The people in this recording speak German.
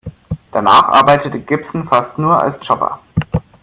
Danach arbeitete Gibson fast nur als Jobber.